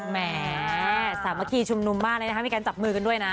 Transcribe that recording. แหมสามัคคีชุมนุมมากเลยนะคะมีการจับมือกันด้วยนะ